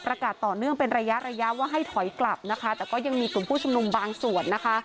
ต่อเนื่องเป็นระยะระยะว่าให้ถอยกลับนะคะแต่ก็ยังมีกลุ่มผู้ชุมนุมบางส่วนนะคะ